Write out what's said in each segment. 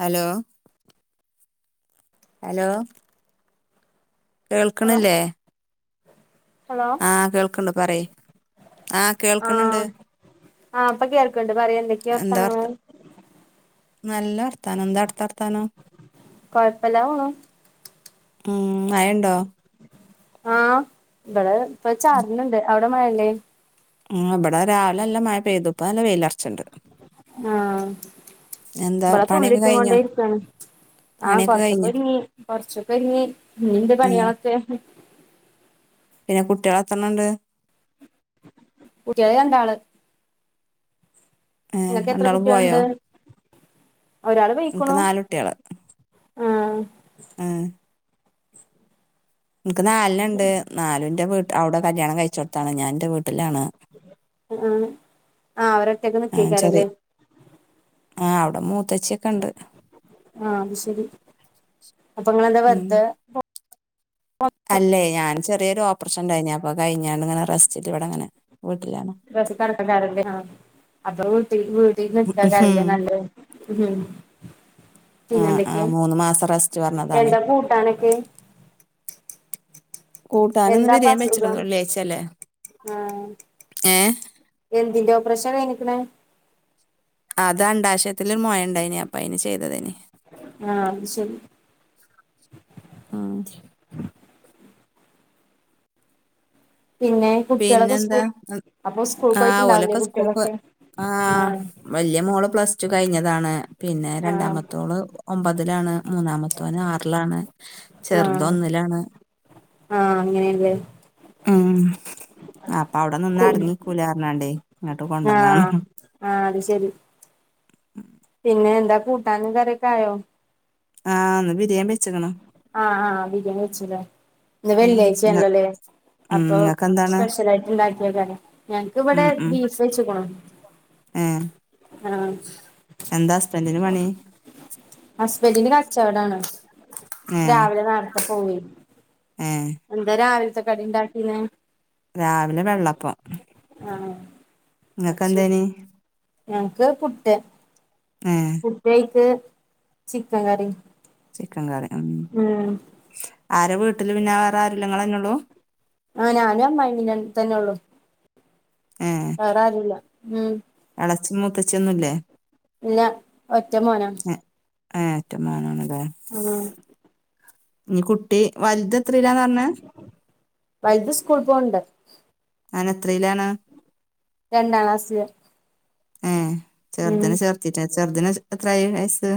Hello. Hello hello കേൾക്ക്ണില്ലേ. Hello ആഹ്, കേൾക്ക്ണ്ട് പറീ. ആഹ്, ആഹ് കേൾക്ക്ണ്ണ്ട്. ആഹ്. ഇപ്പ കേൾക്ക്ണ്ട് പറീ എന്തൊക്കെ, എന്താ വർത്ത വർത്താനങ്ങള്. നല്ല വർത്താനം. ന്താ, അട്ത്തർത്താനം. കോഴപ്പല്ലാ പോണു ഉം. മയേണ്ടോ? ആഹ് ബടെ പ്പൊ ചാർന്ണ്ട് അവിടെ മഴല്ലേ? ഉം ബടെ രാവിലല്ലെ മഴ പെയ്തു പ്പല്ല വെയിലർച്ച്ണ്ട് ആഹ് എന്താ പ്പാ പണിയൊക്കെ തുള്ളിട്ട് കൊണ്ടേ കഴിഞ്ഞോ ഇരിക്കാണ്. ആഹ്. പണിയൊക്കെ കഴിഞ്ഞോ കൊറച്ചൊക്കെരുങ്ങി, കൊറച്ചൊക്കൊരുങ്ങി, ഞിൻ്റെ ഉം പണിയേളെക്കെ.. പിന്നെ, കുട്ടൃൾ എത്രണ്ണണ്ട്? കൂട്ടൃള്, രണ്ടാള്. ഇങ്ങക്കെത്ര രണ്ടാള് കുട്ട്യെള്ണ്ട് പോയോ ഒരാള് എനിക്ക് പൊയ്ക്ക്ണു നാല് ആഹ് ആഹ് ഇന്ക്ക് നാൽ നണ്ട് നാലുന്റെ വീട്ട് അവ്ടെ കല്യാണം കഴിച്ചോട്ത്താണ് ഞാന് ഇന്റെ വീട്ട്ലാണ് ആഹ് ആഹ് ആഹ് അവരൊറ്റക്ക് ആഹ് നിക്കേക്കാരല്ലേ ചെറിയ ആഹ് അവടെ മൂത്തച്ചിയൊക്കെണ്ട് ആഹ് അത് ശരി അപ്പ ഇങ്ങളെന്താ ഉം വെറ്തെ അല്ലേ ഞാൻ ചെറീയേരു ഓപ്പറേഷണ്ടായിനു അപ്പത് കഴിഞ്ഞാണ്ട് ഇങ്ങനെ റെസ്റ്റില് ഇവടെങ്ങനെ വീട്ട്ലാണ് [unintelligible] അപ്പൊ വീട്ടി വീ തീന്ന് ഇട്ക്കയ്ക്കാരല്ലേ നല്ലത് ആ ആ പിന്നെന്തെക്ക്യെ മൂന്ന് മാസം റെസ്റ്റ് പറഞ്ഞതാണ് എന്താ കൂട്ടാനെക്കെ കൂട്ടാനൊന്ന് ബിരിയാണി വെച്ചിക്ക്ണ് എന്താപ്പസുഖം വെള്ളിയാഴ്ചല്ലേ ആഹ് ഏ എന്തിന്റെ ഓപ്പറേഷാ കഴിഞ്ഞ്ക്ക്ണെ അത് അണ്ഡാശയ ത്തില് മൊഴണ്ടായിനി അപ്പ അയിന് ചെയ്തതേനി ആ അത് ശരി ആഹ് പിന്നെ കുട്ടികളൊക്കെ പിന്നെന്താ സ്കൂൾ അന് അപ്പൊ സ്കൂൾ ആഹ് പോയിട്ടുണ്ടാവില്ലേ ഓലൊക്കെ സ്കൂൾക്ക് കുട്ടികളൊക്കെ ആ ആഹ് വെല്ല്യ മോള് പ്ലസ്ടു കഴിഞ്ഞതാണ് പിന്നെ ആ രണ്ടാമത്തോള് ഒമ്പതിലാണ് മൂന്നാമതോന് ആറിലാണ് ആ ചെറുത് ഒന്നിലാണ് ആ അങ്ങനെയല്ലേ മം അപ്പ അവിടെനിന്ന അടങ്ങിക്കൂലർഞ്ഞാണ്ട് ഇങ്ട്ട് കൊണ്ടന്നാണ് ആഹ് അത് ശരി പിന്നെ എന്താ കൂട്ടാനും കറി ഒക്കെ ആയോ? ആന്ന് ബിര്യം വെച്ചക്ണ്. ആഹ് ആഹ് ബിര്യണി വെച്ചുലെ ഇന്ന് ഉം വെള്ളിയാഴ്ച ഇങ്ങ ആണല്ലോല്ലേ ഉം അപ്പൊ ഇങ്ങക്കെന്താണ് സ്പെഷ്യലായിട്ട്ണ്ടാക്ക ഞങ്ങക്ക് ഇവിടെ ഉം ഉം ബീഫ് വെച്കുണ് ഏഹ് ആഹ് എന്താ ഹസ്ബന്റിന് പണി. ഹസ്ബന്റിന് കച്ചവടാണ്. രാവിലെ നാരത്തെ പോവ്യ് എഹ് എന്താ രാവിലത്തെ കടി ഇണ്ടാക്കീന്നെ രാവിലെ വെള്ളപ്പം ആഹ് അത് ശരി ഇങ്ങക്കന്തെയ്നി ഞങ്ങക്ക് പുട്ട് എഹ് പുട്ട് അയ്ക്ക് ചിക്കങ്കറി ചിക്കംകറി മം ആരാ വീട്ടില് പിന്നെ വേറെ ആരുല്ല ങ്ങളന്നെള്ളു ആഹ് ഞാനും അമ്മായിമ്മ തന്നെള്ളു. എഹ് വേറാരൂല്ല മം എളച്ചി മുത്തച്ചിന്നുംല്ലേ ഇല്ല ഒറ്റ മോനാ. എ ഏഹ് ഒറ്റമോനാണ് ലെ ആഹ് ഞ് കുട്ടി വലുത് എത്രിലാന്ന് പറഞ്ഞെ വലുത് സ്കൂൾ പോവ്ണ്ട് നെ ത്രയിലാണ് രണ്ടാക്ലാസിൽ എഹ് ചെറുതിനെ ചേർത്തിട്ടേ ചെറുതിന് എത്രായി വയസ്സ്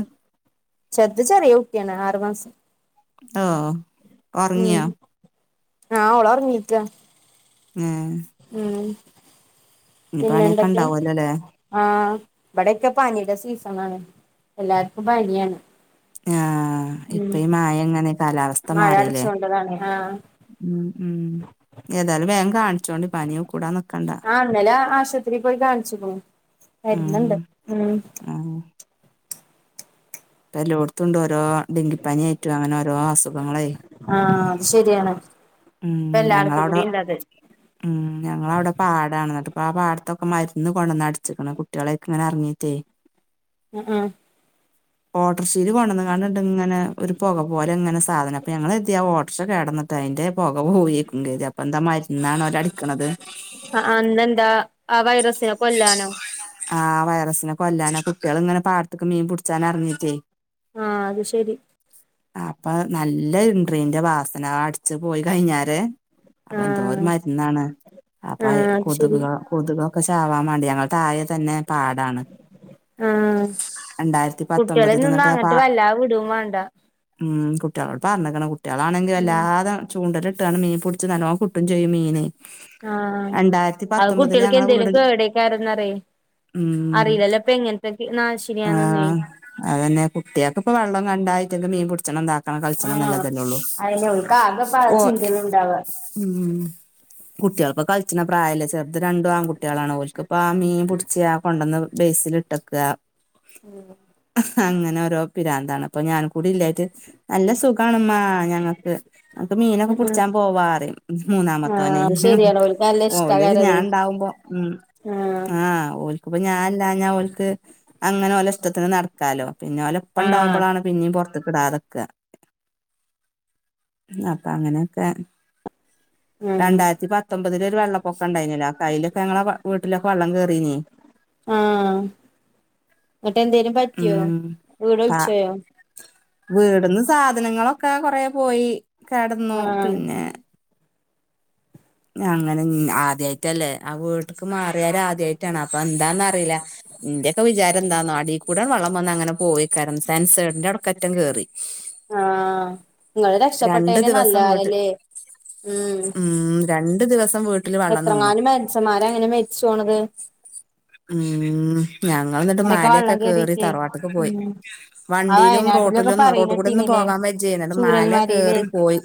ചെർത് ചെറിയ കുട്ടിആണ് ആറ് മാസം ആഹ് മം ആഹ് ഓളോറങ്ങീക്കാ എഹ് ഉം പണിയൊക്കെ പിന്നെന്തൊക്കെ ഇണ്ടാവല്ലോല്ലേ ആഹ് ഇബടെക്കെ പനിടെ സീസൺ ആണ് എല്ലാർക്കും പനിയാണ്. ആഹ് ഇപ്പ ഉം ഈ മയ ഇങ്ങനെക്ക ലാവസ്ഥ മഴ മാറില്ലേ അടച്ചോണ്ടതാണ് ആഹ് മം ഏതായാലും വേം കാണിച്ചോണ്ട് പനി കൂടാന്ന്ക്കണ്ട ആഹ് ഇന്നലെ മര്ന്ന്ണ്ട് മം ഇപ്പോ എല്ലോടത്തുണ്ട് ഓരോ ഡെങ്കിപ്പനി ആയിട്ടും അങ്ങനെ ഓരോ അസുഖങ്ങളെയ് ആഹ് അത് ശരിയാണ്. ഇപ്പ എല്ലാട്ത് കൂടിണ്ടത് മം ഞങ്ങളവ്ടെ പാടാണ് ഇന്നട്ട്പ്പോ ആ പാടത്തൊക്കെ മര്ന്ന് കൊണ്ടന്ന്ടിച്ചിക്കണ് കു ളയ്ക്കിങ്ങനെ എറങ്ങീട്ടേയ് അഹ് അഹ് [inaudible] ഓട്ടർഷീല് കൊണ്ടന്ന്ങ്ങാ ണ്ട് ഇങ്ങനെ ഒരു പോക പോലെങ്ങനെ സാധനം അപ്പൊ ഞങ്ങൾ കര്തി ആ ഓട്ടർഷ കേട്ന്നട്ട് അയിന്റെ പോക പോവേക്കും കര്തി അപ്പൊന്താ മരുന്നാണ് ഓല് അടിക്ണത് അഹ് അഹ് ഇങ്ങ്ടെന്താ ആ വൈറസിനെ കൊല്ലാനോ അഹ് അ വൈറസിനെ കൊല്ലാനാ കുട്ടിള്ങ്ങനെ പാടത്ത്ക്ക്‌ങ്ങനെ മീൻ പിടിച്ചാന് എറങ്ങീട്ടയ് ആഹ് അത് ശരി അപ്പ നല്ല ഇൻട്രീന്റെ വാസന അത് അടിച്ച് പോയി കഴിഞ്ഞാരെ എന്തോ ഒരു ആഹ് മരുന്നാണ് അപ്പൊ അത് ആഹ് ശരി കൊതുക കൊതുകൊക്കെ ചാവാ മതി ഞങ്ങളെ താഴെ തന്നെ പാടാണ്. ആഹ് രണ്ടായിരത്തി കുട്ടികളെ പത്തൊമ്പതില് നിന്ന ന്നട്ട് പാ അങ്ങട്ട് വല്ലാ വിടും വേണ്ട ഉം കുട്ടികളോട് പറഞ്ഞിക്ക്ണ് കുട്ടികളാണെങ്കിൽ ഉം വല്ലാതെ ചൂണ്ടല്ട്ടാണ് മീൻ പിടിച്ച് നല്ലോ ആഹ് രണ്ടായിരത്തി അത് പത്തൊമ്പതില് കുട്ടിൾക്ക് ഞങ്ങളെ എന്തേലും വീട് കേടേക്കാരന്നറിയെ ഉം അറിയില്ലല്ലോ ഇപ്പ എങ്ങനത്തെക്കെ എന്നാ ആ ശരിയാന്നൊന്ന അതന്നെ കുട്ടികൾക്ക് ഇപ്പ വെള്ളം കണ്ട അയിറ്റക്ക് മീൻ പിടിച്ചണം താക്കണം കൾച്ചണം ങ്ങനെക്കെ തന്നെള്ളു അതിനെ ഓൾക്ക് ആകെ ചിന്ത ഉണ്ടാവാ ഉം കുട്ടികൾ പ കൾച്ച്ണ പ്രായല്ലേ ചെറുത് രണ്ടും ആൺകുട്ടിയളാണ് ഓൽക്കിപ്പ ആഹ് മീൻ പടിച്ച കൊണ്ടന്ന് ബേസി ട്ടക്കാ ഉം അങ്ങനെ ഓരോ പിരാന്താണ് അപ്പൊ ഞാനും കൂടി ഇല്ലായിട്ട് നല്ല സുഖാണ് മ്മ ഞങ്ങൾക്ക് അക്ക് മീനൊക്കെ ഉം ഉം പിടിച്ചാൻ പോവാറി ആഹ് മൂന്നാമത്തോനെ അത് ശരിയാണ് ഓൽക്ക് നല്ല ഓല്ത് ഞാൻ ഇഷ്ടാകാരതേ ഉണ്ടാവുമ്പോ ഉം ആഹ് ഓ ക്ക്പ്പൊ ഞാൻല്ലാഞ്ഞ ഓൽക്ക് അങ്ങനെ ഓലെ ഇഷ്ടത്തിന് നടക്കാലോ പിന്നെ ആഹ് ഓലെപ്പണ്ടാവുമ്പളാണ് പിന്നിം പൊറത്ത്കിടാതക അപ്പൊ അങ്ങനൊക്കെ ഉം രണ്ടായിരത്തി പത്തൊമ്പതി ഒരു വെള്ളപ്പൊക്കം ഇണ്ടായിനല്ലോ അയ്യിലൊക്കെ ഞങ്ങളെ വീട്ടിലൊക്കെ വെള്ളം കേയറീനി ന്നിട്ട് എന്തേലും പറ്റിയോ ഉം വീട് പ ഒലിച്ചോയോ? വീട്ന്ന് സാധനങ്ങളൊക്കെ കൊറേ പോയി, കെടന്നു ആഹ് പിന്നെ അങ്ങനെ ഞ്ഞ് ആദ്യായിട്ടല്ലേ ആഹ് വീട്ട്ക്ക് മാറിയാരെ ആദ്യായിട്ടാണ് അപ്പ എന്താന്നറില്ല. ഇന്റെയൊക്കെ വിചാരം എന്താന്നോ അടെകൂടെണ്ട് വള്ളം വന്നങ്ങനെ പോയികാര സെൻസയ്ഡിന്റെ അട്ക്കറ്റം കേറി ആഹ് ങ്ങള് രണ്ട് രക്ഷപ്പെട്ടന്നെ നല്ല ദിവസം വീട്ടിൽ കാലല്ലേ ഉം ഉം രണ്ട് ദിവസം വീട്ട് എത്രങ്ങാലും മന്സന്മാര അങ്ങനെ മരിച്ചു പോണത്. ഉം ഞങ്ങൾ ന്നിട്ട് ഇങ്ങനെയൊക്കെ മാലൊക്കെ വെള്ളം കേറി കേറിട്ടേ തറവാട്ട്ക്ക് പോയി ഉം ആ വണ്ടിലും വയനാട്ടിലൊക്കെ റോട്ടിലും റോട്ട് കൂടെ ഒന്ന് പറയണട്ടീന്നില്ലേ പോകാൻ വ ചെയ്യുന്നത് മാല ചൂരൽമലയിലെ കേറി പോയി.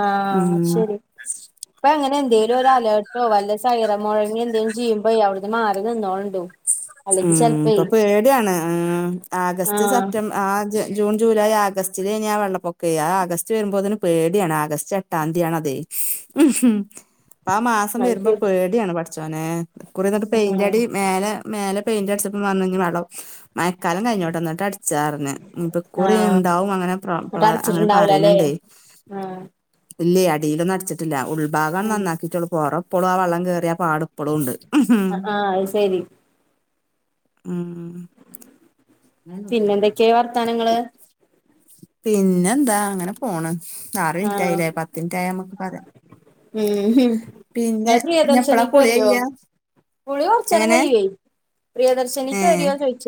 ആഹ് ഉം ശരി പ്പ അങ്ങനെ എന്തെലും ഒരു അലേ ഓ വല്ലച്ചാ ഐറ മുഴങ്ങി എന്തേങ്കും ചെയ്യുമ്പോ അവിടുന്ന് മാറി നിന്നോളുണ്ട്. ഉം ഇപ്പൊ പേടിയാണ് ആഗസ്റ്റ് ആഹ് സെപ്റ്റംബർ ആഹ് ജെ ജൂൺ ജൂലൈ ആഗസ്റ്റില് കഴിഞ്ഞാ വെള്ളപ്പൊക്ക ആ ആഗസ്റ്റ് വരുമ്പോ അതിന് പേടിയാണ് ആഗസ്റ്റ് എട്ടാം തീയതിയാണതെ ഉം ഹ് അപ്പ ആ മാസം അത് വരുമ്പോ ശരി പേടിയാണ് പഠിച്ചോന കുറി ന്നട്ട് പെയിന്റ് അടി ഉം മേലെ മേല പെയിന്റടിച്ചപ്പ [unintelligible] വളം മയക്കാലം കഴിഞ്ഞോട്ടെ ന്നിട്ട് അടി ച്ചാറിഞ്ഞ ഇപ്പൊ കുറി ആഹ് ഇണ്ടാവും അങ്ങനെ എന്നിട്ട് [unintelligible] അങ്ങനെ അടച്ചിട്ടുണ്ടാവൂലല്ലേ പറയുന്നുണ്ടേ. ആഹ് ഇല്ലേ അടീൽ ഒന്നും അടിച്ചിട്ടില്ല ഉൾഭാഗം ആഹ് നന്നാക്കിട്ടുള്ളൂ പൊറം ഇപ്പോളും ആ വള്ളം കയറിയ പാട് ഇപ്പളും ഉണ്ട്. ആഹ് അത് സെരി ഉം അങ്ങനെ നോക്കിക്കോളി പിന്നെന്തെക്കെ വർത്താനങ്ങള്? പിന്നെന്താ ഇങ്ങനെ പോണ്. ആറ് ആഹ് മിനിറ്റായില്ലേ പത്ത് മിനിറ്റായമ്മുക്ക് പറയാം. ഉം പിന്നെ നിങ്ങ ഇനി എപ്പളാ കുളി പ്രിയദർശ്നിക്കേറിയോ? കഴിയാ കുളി കൊറച്ചാരെ എങ്ങനെ കയ്യോ പ്രിയദർശിനി ഏ കയറിയോ ചോദിച്ച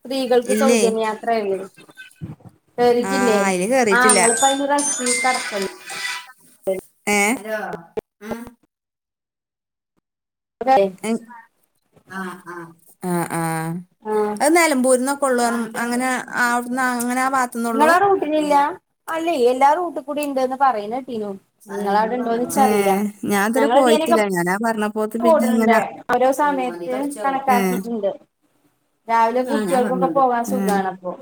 സ്ത്രീകൾക്ക് ഇല്ലേ സൗജന്യയാത്രയല്ലേ? ആ കേറിട്ടില്ലേ അയില് ആഹ് ങ്ങളിപ്പയ്ന് റെ [unintelligible] ഏഹ് അലോ. അതൈ [unintelligible] ആഹാ.. ആഹാ.. ! ആഹ് ആ ആഹ് അത് നെലമ്പൂരിന്നൊക്ക കൊള്ളു അങ്ങനെ അവിടുന്ന് ആ അങ്ങനെ പാത്തുന്നൊള്ളൂ ഇങ്ങളാ റൂട്ടിനില്ല? [unintelligible] അല്ലേ എല്ലാരും റൂട്ട്കൂടി ഇണ്ട്ന്ന് പറിണകേ ഏഹ് ഞാൻ ഇതവരെ പോയിട്ടില്ല ഞാനാൻ പറഞ്ഞ- ഓട്ണ്ടേ ഓരോ സമയത്ത് കണക്കാക്കിട്ടിണ്ട്. രാവിലെ കുട്ടികൾക്കൊക്കെ- പോകാൻ സുഖണഅപ്പോ.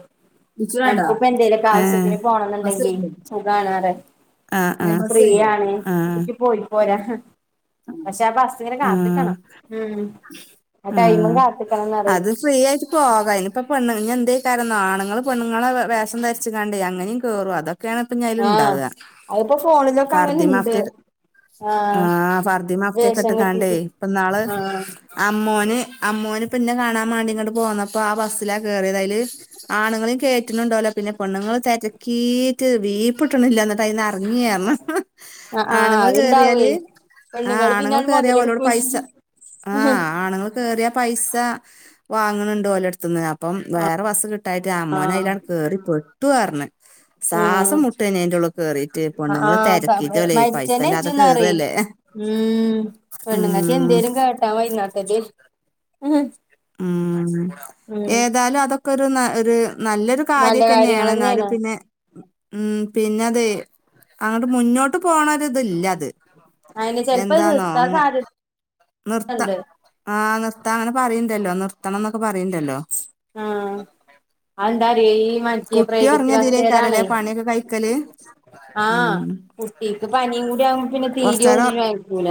ഞങ്ക്കിപ്പോ എന്തേലുംക്കെ ഏ ആവശ്യത്തിന് ഏ പോണന്നുണ്ടെങ്കി ഏ സുഖാണ് റയും - ഫേമസ് അല്ലേ ഫ്രീയാണ് ആഹ് കുറ്റി പോയി പോരാ പക്ഷെ ബസ് - ഇങ്ങനെ ആഹ് കാത്തിക്കണം ഉം ആ ടൈ കാത്തിക്കണം പറയും അത് ഫ്രീ ആയിട്ട് പോകാ അയ്നിപ്പ പെണ്ണ് ഇ എന്തക്കാരന്നോ ആണുങ്ങള് പെണ്ണങ്ങെ വേഷം ധരിച്ചിങ്ങാണ്ടേ അങ്ങനെയും കേറും അത ക്കാണ് ഇപ്പ ഞ ആഹ് ഇണ്ടാവുകപർദ്ദ അതിപ്പോ ഫോണിലൊക്കെ അങ്ങനെ ഇണ്ട് മഫ്ത്തെ ഇട്ട് ആഹ് വേഷം പർദ്ദമഫ്തെക്കെട്ടുകണ്ട് കെട്ടീട്ട് ഇപ്പ നാള് ആഹ് അമ്മോന് അമ്മോന് പിന്നെ കാണാൻ വേണ്ടി ഇങ്ങോട്ട് പോന്നപ്പോ ആ ബസ്സിലാ കേയറിയ അയല് ആണുങ്ങളും കേയറ്റുന്നുണ്ടാവലോ? പിന്നെ പെണ്ണുങ്ങള് തെരക്കീറ്റ് വീപ്പ് ട്ട്ണില്ല ന്നിട്ടന്ന് അറങ്ങിയാ ർന്ന് ആഹ് ആഹ് ആണുങ്ങള് കേറിയാല് അത്ണ്ടാവേ ആഹാ പെണ്ണുങ്ങള് ആണുങ്ങൾ പിന്നാണ്ട് കേറിയ ഓലോട് മൊതലെടുക്കും പൈസ, ചെയ്യും ആഹാ... ! ആണുങ്ങൾ കേറിയാ പൈസ വാങ്ങണണ്ട് ഓലടുത്തന്ന്. അപ്പം വേറെ ബസ് കിട്ടായിട്ട് അമ്മോനെ അയ്ലാട്ട് കേറി പെട്ടു പർഞ്ഞ് ഉം സാസം മുട്ടന്നെന്റെ ഉള്ള കേറിട്ട്, പൊണ്ണങ്ങള് ആഹ് സബ് തിരക്കിട്ടല്ലേ, മരിച്ചേനെ പൈസല്ലാത ഇജ്ജുന്ന് പറയും കേറല്ലേ. ഉം പെണുങ്ങക്കെ ഉം എന്തേലും കേട്ടാതീ അപ്പത്തേ മ്ഹ് ഉം [unintelligible] ഏതായാലും അതൊക്കെ ഒരു ഒരു നല്ലൊരു നല്ല കാര്യം കാര്യങ്ങൾ തന്നെയാണ് എന്നാലും പിന്നെ. ഉം പിന്നെ അതെ അങ്ങോട്ട് മുന്നോട്ട് പോണരു ഇതല്ല അത്. അതിന് ചെലപ്പോ അത് എന്താന്നോ നിർത്താൻ ആഹാ നിർത്താ. സാധ്യതണ്ട് ആഹ് നിർത്താ അങ്ങനെ പറയണ്ടല്ലോ നിർത്തണം എന്നൊക്കെ പറയണ്ടല്ലോ. ആഹ് അത് എന്താറി മറ്റേ കുട്ടി പ്രൈവറ്റ് ബസെര് ഒറങ്ങതിലേക്കാരല്ലേ ആണേ. പണിയൊക്കെ കഴിക്കല് ആഹ് ഉം കുട്ടിക്ക് പനിയും കൂടി ആവുമ്പോ പിന്നെ തീരെ കൊറച്ചേരം ഒന്നിനും ആയിക്കൂല.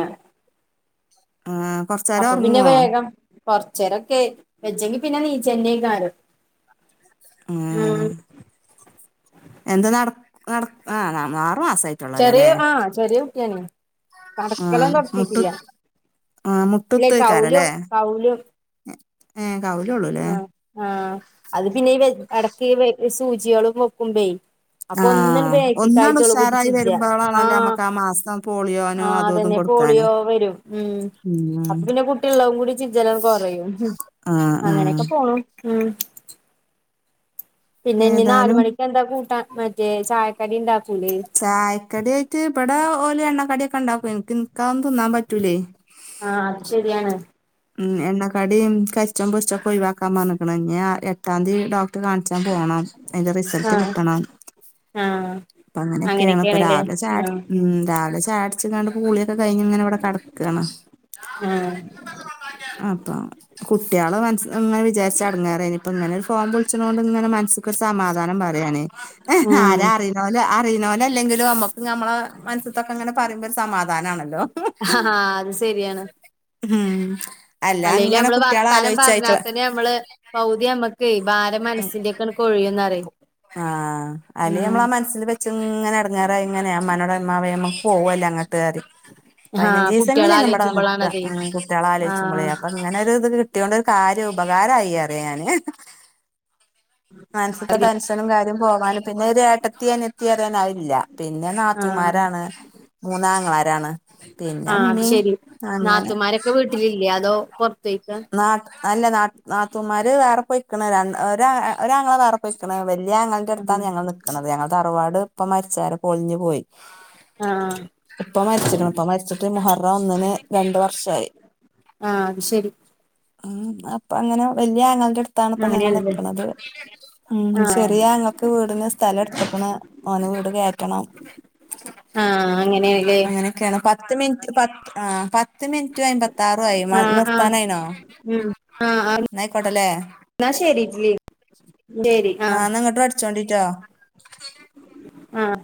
ആഹാ കുറച്ച്, അപ്പൊ പിന്നെ വേഗം കൊറച്ച രൊക്കെ വെച്ചെങ്കി പിന്നെ നീ ചെന്നൈക്കാരം. ഉം ഉം എന്ത് നട നട ആഹ് ആറു മാസായീ ചെറിയ ആഹാ ചെറിയ കുട്ടിയണ്. നടക്കലും ആഹ് മുട്ടു തൊടത്തിട്ടില്ല ആഹ് ഇല്ലെ കൗലും മുട്ടുത്തേക്കാരല്ലേ കൗലും. ഏഹ് കൗലഉള്ളൂ ല്ലേ ആഹ് ആഹ് അത് പിന്നെ എടക്ക് സൂചികളും വക്കുമ്പേ അപ്പോ ഒന്നും ആഹ് ഒന്നാണ്ട് ബേക്കിക്കആയിടെ ഉഷാറായി പുടിച്ച്ക്കാ. വരുമ്പോളാണല്ലോ ആഹാ നമ്മക്ക് ആ മാസം പോളിയോനോ ആഹാ അതും ഇതും അതന്നെ കൊടുക്കാന് പോളിയോ. വരും ഉം ഉം അപ്പൊ പിന്നെ കുട്ടിയള്ളും കൂടിചിജല കൊറയും. ആഹ് ആഹ് അങ്ങനെയൊക്കെ പോണു ഉം. പിന്നെ ഇനി ഏതായാലും നാലുമണിക്ക് എന്താ കൂട്ടാൻ മറ്റേ ചായക്കടി ഉണ്ടാക്കൂലേ? ചായ്ക്കടിയിട്ട് ഇവിടെ ഓല് എണ്ണക്കടി ഒക്കെ ഉണ്ടാക്കും എനിക്ക് നിക് തിന്നാൻ പറ്റൂലേ. ആഹ് അത് ശരിയാണ്. ഉം എണ്ണക്കാടി കരിച്ചം പൊരിച്ചത്ക്കെ ഒഴിവാക്കാൻ പറഞ്ഞിക്കണ് ഇനി എട്ടാംതി ഡോക്ടർ കാണിച്ചാൻ പോണം. അതിന്റെ റിസൾട്ട് ആഹ് കിട്ടണം ആഹ് പ്പ അങ്ങനെയൊക്കെയാണ് ഇപ്പൊ അങ്ങനെയൊക്കെയാണല്ലേ രാവിലെ ചയട് ആഹ് ഉം രാവിലെ ചായടിച്ച് കണ്ട് കുളിയൊക്കെ കഴിഞ്ഞ് ഇങ്ങനെ ഇവിടെ കടക്കാണ്. ആഹ് അപ്പോം കുട്ടിഏളെ മനസ് ഇങ്ങനെ വിചാരിച്ച്എടങ്ങേറ് ആയിന് ഇപ്പൊ ഇങ്ങനെ ഒരു ഫോം വിളിച്ച്ണോണ്ട് ഇങ്ങനെ മനസ് സമാധാനം പറയാന് ഉം ആരാ അറിയുന്നപോൽ അറിയുന്നപോലല്ലെങ്കിലും നമക്ക് ഞമ്മളെ മനസ്സ്ത്തൊക്കെങ്ങനെ പറിമ്പോ ഒരു സമാധാനാണല്ലോ ആഹ് അത് ഹും അല്ലെങ്കില് ഞമ്മള് വർത്താനം പറഞ്ഞാ തന്നെ ഞമ്മള് പകുതി യമ്മക് കെയ് ഭാരം മനസ്സിന്റെയൊക്കെണ് കൊഴിയുന്നറിം ഉം ച് ഇങ്ങനെ എടാങ്ങേറായിങ്ങനെ അമ്മാനോട് പറയുമ്പോ ഇമ്മാവേം മ്മ പോവല്ലേ അങ്ങട്ട് ആദ്യം ആഹ് പയ്നഞ്ചീസെങ്കിലും കുട്ടികളെ എങ്ങനെ ഇബടെ നിക്ക ആലോചിച്ചുമ്പോളാണതേ ഉം കുട്ടിയോളെ ആലോയ്ച്ചുമ്പളേ ആഹ് അപ്പ ഇങ്ങനെ ഒര്ഇത് കിട്ടിയാേണ്ട് ഒരു കാര്യം ഉപകാരമായി അറിയാന് മനസ്സ്ത്തെ ടെൻഷനും കാര്യം പോകാനും പിന്നൊരു ഏട്ടത്തി അനിയത്തി അറിയാന് അതില്ല പിന്ന ആഹ് നാത്തുമാരാണ് മൂന്നാങ്ങളാരാണ് പിന്നെ ഇമ്മീം അങ്ങനെ ഇക്ക വീട്ടിലില്യേ അതോ പൊറത്ത് പോയ്‌ക്കാ നാത് അല്ല നാത് നാത്തുന്മാര് വേറെപ്പൊയ്ക്കണ് രൺ ഒരാ ഒരാങ്ങളെ വേറെപ്പൊയ്ക്കണ് വെൽയാങ്ങൾ ആഹ് ന്റട്ത്താണ് ഞങ്ങൾ നിക്ക്ണത് ഞങ്ങളെ തറവാട് ഇപ്പ മരിച്ചാരെ പൊളിഞ്ഞുപോയി ആഹ് ഉപ്പ മരിച്ച്ക്ക്ണ് ഉപ്പ മരിച്ചിട്ട് മുഹറം ഒന്നിന് രണ്ട് വർഷായി ആഹ് അത് ശരി ഉം അപ്പൊ അങ്ങനെ വലിയ ആങ്ങളെടടുത്താണ് ഇപ്പൊ ഞങ്ങൾ അങ്ങനെയാണല്ലേ നിക്കണത് ഉം ആഹ് ചെറിയാങ്ങളക്ക് വീട്ന് സ്ഥലം എട്ത്ത്ക്ക്ണ് ഓന് വീട് കേറ്റണം ആഹ് അങ്ങനെയല്ലേ കെണ്പത്തു മിൻറ്റ് പത്ത് ആഹ് പത്ത് മിൻറ്റും ഐമ്പത്താറു ആയി മ ആഹ് നിർ ആഹ് ത്താനായ്നോ ഉം ആഹ് ഇന്ന അയ്ക്കോട്ടല്ലേ എന്നാ ശെരിട്ലേ ഇന്റെരി ആഹ് ഇന്ന ഇങ്ങട്ടും അടിച്ചോണ്ടിട്ടോ ആഹ്